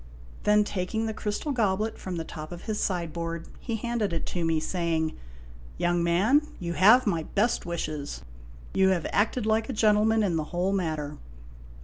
Then taking the crystal goblet from the top of his sideboard, he handed it to me, saying :" Young man, you have my best wishes. You have acted like a gentleman in the whole matter.